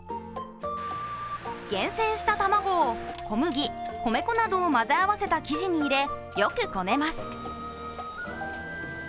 厳選した卵を小麦、米粉などを混ぜ合わせた生地に入れ、よくこねます